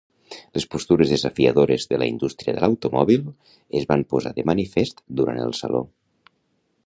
Les postures desafiadores de la indústria de l'automòbil es van posar de manifest durant el saló.